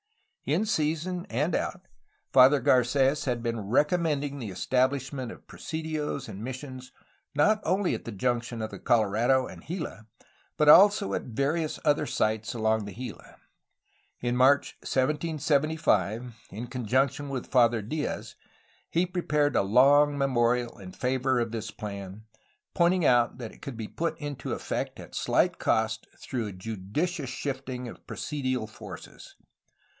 In season and out. Father Garces had been recommending the establishment of presidios and missions not only at the junction of the Colorado and Gila, but also at various other sites along the Gila. In March 1775, in conjunction with Father Diaz, he prepared a long memorial in favor of his plan, pointing out that it could be put into effect at slight cost through a judicious shifting of presidial forces.